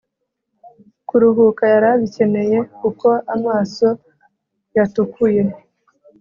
kuruhuka yarabikeneye kuko amaso yatukuye